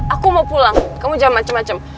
aku mau pulang kamu jangan macem macem